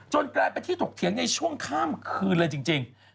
กลายเป็นที่ถกเถียงในช่วงข้ามคืนเลยจริง